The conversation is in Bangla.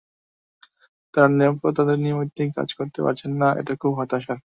তাঁরা নিরাপদে তাঁদের নৈমিত্তিক কাজ করতে পারছেন না, এটা খুবই হতাশার।